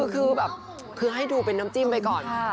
คือแบบคือให้ดูเป็นน้ำจิ้มไปก่อน